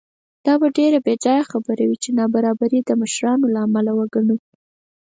دا به ډېره بېځایه خبره وي چې نابرابري د مشرانو له امله وګڼو.